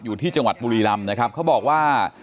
อยู่ที่จังหวัดบุรีรำนะครับเขาบอกว่า